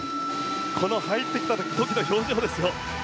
この入ってきた時の表情ですよ。